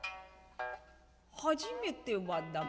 「初めては駄目？」。